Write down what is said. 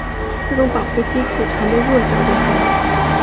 这种保护机制常被弱小者所用。